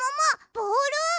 ボール！？